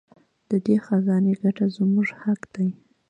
د دې خزانې ګټه زموږ حق دی.